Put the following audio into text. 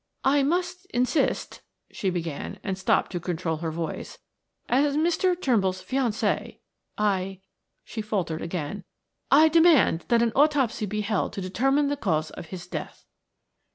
"I must insist," she began and stopped to control her voice. "As Mr. Turnbull's fiancee, I " she faltered again. "I demand that an autopsy be held to determine the cause of his death."